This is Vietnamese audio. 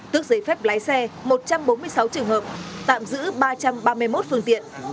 tước giấy phép lái xe một trăm bốn mươi sáu trường hợp tạm giữ ba trăm ba mươi một phương tiện